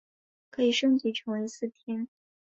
可以升级成为四天。